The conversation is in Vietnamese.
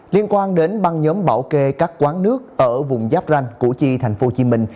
liên quan đến băng nhóm bảo kê các quán nước ở vùng giáp ranh củ chi thành phố hồ chí minh